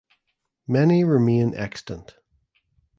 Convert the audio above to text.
Many remain extant.